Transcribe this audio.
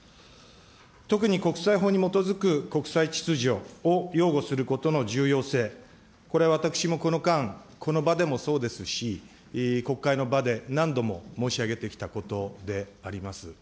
特に国際法に基づく国際秩序を擁護することの重要性、これ、私もこの間、この場でもそうですし、国会の場で何度も申し上げてきたことであります。